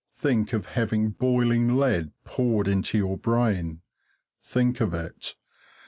Think of having boiling lead poured into your brain. Think of it.